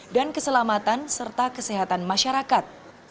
dan keselamatan serta kesehatan masyarakat